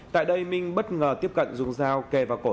tại đây minh bất ngờ tiếp cận dùng dao kề vào cổ